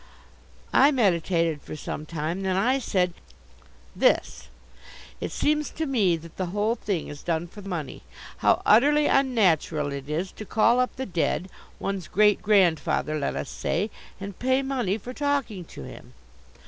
I meditated for some time. Then I said: "This it seems to me that the whole thing is done for money. How utterly unnatural it is to call up the dead one's great grandfather, let us say and pay money for talking to him."